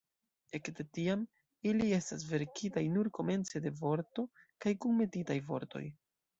Ekde tiam, ili estas verkitaj nur komence de vorto kaj kunmetitaj vortoj.